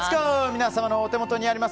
皆様のお手元にあります